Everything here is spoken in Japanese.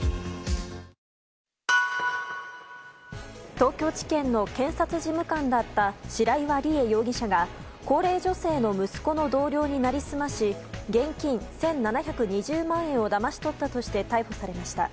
東京地検の検察事務官だった白岩理慧容疑者が高齢女性の息子の同僚になりすまし現金１７２０万円をだまし取ったとして逮捕されました。